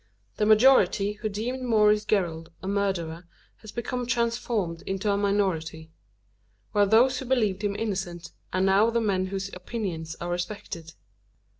The majority who deemed Maurice Gerald a murderer has become transformed into a minority; while those who believed him innocent are now the men whose opinions are respected.